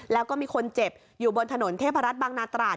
แล้วก็มีคนเจ็บอยู่บนถนนเทพรัฐบางนาตราด